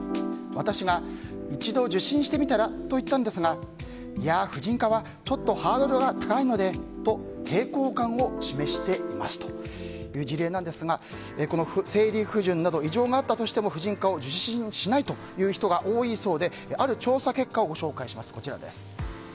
私が一度受診してみたらと言ったんですがいや、婦人科はちょっとハードルが高いのでと抵抗感を示していますという事例なんですが生理不順など異常があったとしても婦人科を受診しないという人が多いそうである調査結果をご紹介します。